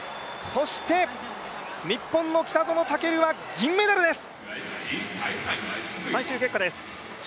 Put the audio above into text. そして日本の北園丈琉は銀メダルです。